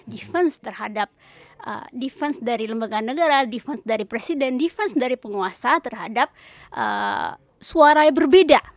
defense terhadap defense dari lembaga negara defense dari presiden defense dari penguasa terhadap suara yang berbeda